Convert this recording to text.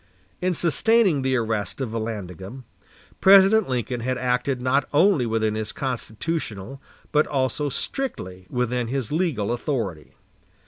In sustaining the arrest of Vallandigham, President Lincoln had acted not only within his constitutional, but also strictly within his legal, authority.